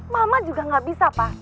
mama juga nggak bisa pak